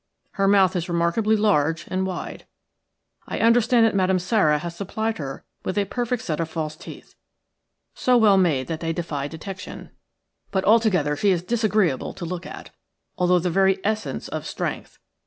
Her mouth is remarkably large and wide. I understand that Madame Sara has supplied her with a perfect set of false teeth, so well made that they defy detection, but altogether she is disagreeable to look at, although the very essence of strength.